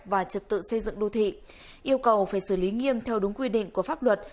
và trật tự xây dựng đô thị yêu cầu phải xử lý nghiêm theo đúng quy định của pháp luật